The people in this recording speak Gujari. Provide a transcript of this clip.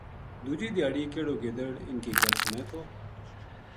دوجی دھیاڑی کہیڑو گدڑ اِنھ کی گل سنے تھو